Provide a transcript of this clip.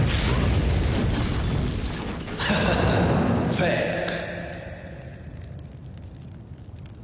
「フェイク！」